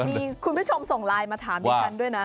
มีคุณผู้ชมส่งไลน์มาถามดิฉันด้วยนะ